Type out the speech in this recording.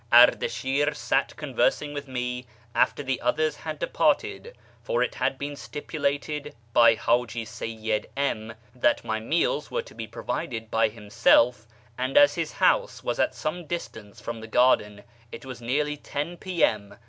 Ardashi'r sat conversing with me after the others had 1 departed, for it had been stipulated by H;iji Seyyid M 'that my meals were to be provided by himself; and as his 'house was at some distance from the garden, it was nearly 1 0 P.M.